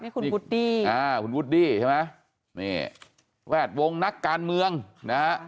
นี่คุณวูดดี้อ่าคุณวูดดี้ใช่ไหมนี่แวดวงนักการเมืองนะฮะ